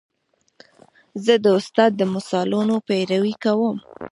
زه د استاد د مثالونو پیروي کوم.